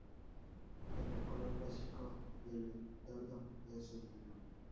Pero el color básico del leotardo es el negro.